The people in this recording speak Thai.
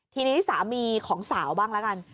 ทีนี้สามีของสาวบ้างละกัน